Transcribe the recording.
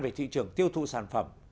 về thị trường tiêu thụ sản phẩm